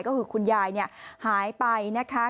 ก็คือคุณยายหายไปนะคะ